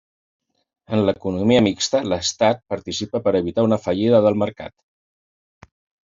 En l’economia mixta l’Estat participa per evitar una fallida del mercat.